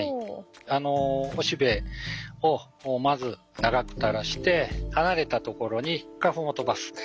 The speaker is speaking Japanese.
おしべをまず長く垂らして離れたところに花粉を飛ばす。